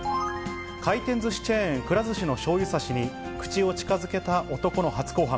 回転ずしチェーン、くら寿司のしょうゆさしに口を近づけた男の初公判。